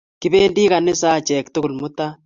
Kipendi ganisa achek tugul mutai.